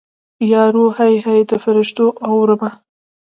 یارو هی هی د فریشتو اورمه